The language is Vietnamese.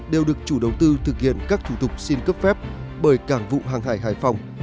đều được chủ đầu tư thực hiện các thủ tục xin cấp phép bởi cảng vụ hàng hải hải phòng